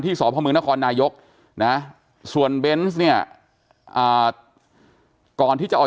สพมนครนายกนะส่วนเบนส์เนี่ยก่อนที่จะออก